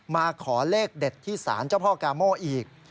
มาขอเลขเด็ดที่สารเจ้าพ่อกาโม่อีก